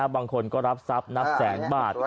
บางคนก็รับทรัพย์นับแสนบาท